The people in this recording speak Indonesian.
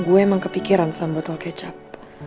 gue emang kepikiran sama botol kecap